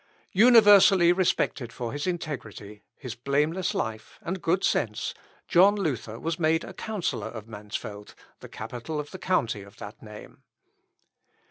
" Universally respected for his integrity, his blameless life, and good sense, John Luther was made a counsellor of Mansfeld, the capital of the county of that name.